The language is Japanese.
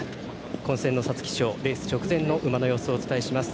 混戦の皐月賞レース直前の馬の様子をお伝えします。